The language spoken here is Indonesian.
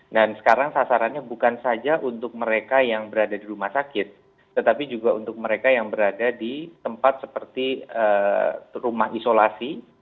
dan sekarang sasarannya bukan saja untuk mereka yang berada di rumah sakit tetapi juga untuk mereka yang berada di tempat seperti rumah isolasi